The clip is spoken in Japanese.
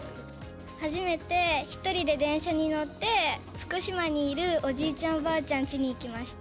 初めて１人で電車に乗って福島にいるおじいちゃん、おばあちゃんちに行きました。